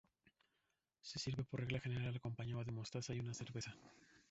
Se sirve por regla general acompañado de mostaza y una cerveza.